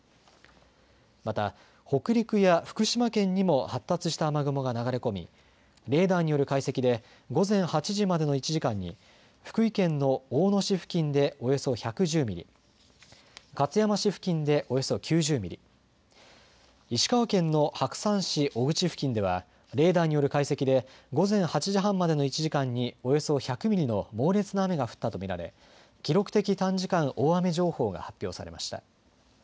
また北陸や福島県にも発達した雨雲が流れ込みレーダーによる解析で午前８時までの１時間に福井県の大野市付近でおよそ１１０ミリ、勝山市付近でおよそ９０ミリ、石川県の白山市尾口付近ではレーダーによる解析で午前８時半までの１時間におよそ１００ミリの猛烈な雨が降ったと見られ記録的短時間大雨情報が発表されました。